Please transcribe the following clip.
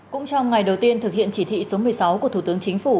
cũng trong ngày đầu tiên thực hiện chỉ thị số một mươi sáu của thủ tướng chính phủ